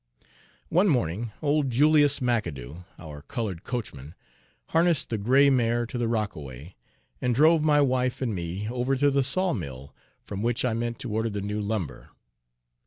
One morning old Julius McAdoo, our colored coachman, harnessed the gray mare to the rockaway, and drove my wife and me over to the sawmill from which I meant to order the new lumber.